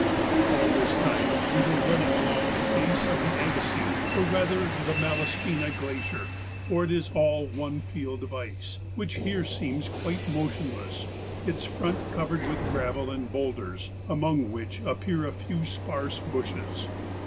All this time we were running along the face of the Agassiz, or rather the Malaspina, Glacier, for it is all one field of ice, which here seems quite motionless, its front covered with gravel and boulders, among which appear a few sparse bushes.